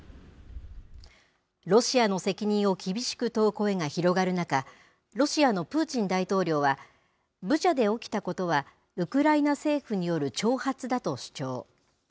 ロシアの責任を厳しく問う声が広がる中、ロシアのプーチン大統領は、ブチャで起きたことはウクライナ政府による挑発だと主張。